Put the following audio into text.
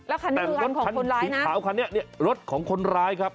คันนี้คือรถของคนร้ายสีขาวคันนี้เนี่ยรถของคนร้ายครับ